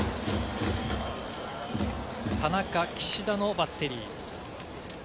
田中・岸田のバッテリー。